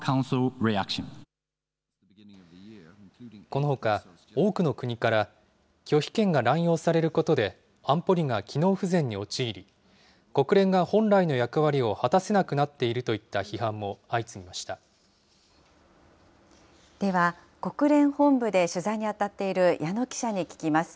このほか、多くの国から、拒否権が乱用されることで、安保理が機能不全に陥り、国連が本来の役割を果たせなくなっているといった批判も相次ぎまでは、国連本部で取材に当たっている矢野記者に聞きます。